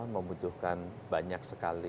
membutuhkan banyak sekali